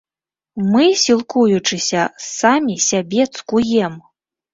Мы, сілкуючыся, самі сябе цкуем!